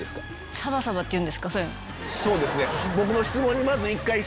「サバサバっていうんですか？」。